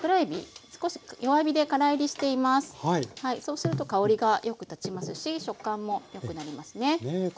そうすると香りがよく立ちますし食感もよくなりますね。